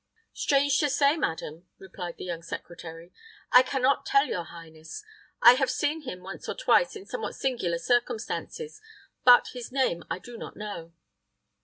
"Strange to say, madam," replied the young secretary, "I can not tell your highness. I have seen him once or twice in somewhat singular circumstances; but his name I do not know."